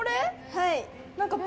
はい。